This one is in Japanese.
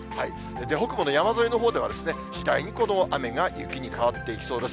北部の山沿いのほうでは次第にこの雨が雪に変わっていきそうです。